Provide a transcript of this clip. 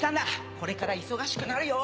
これから忙しくなるよ！